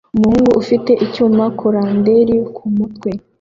Umuhungu ufite icyuma colander kumutwe